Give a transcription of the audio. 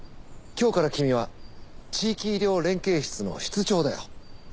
今日から君は地域医療連携室の室長だよ。